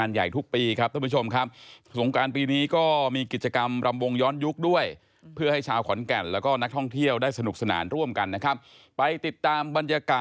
เราก็มีหลายถนนนะครับ